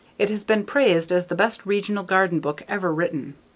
It has been praised as the best regional garden book ever written.